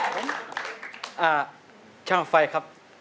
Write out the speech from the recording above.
ช่างฟังไฟครับ